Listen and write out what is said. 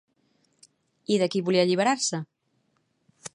I de qui volia alliberar-se?